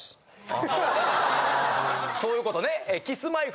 そういうことね。